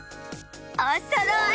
おそろい！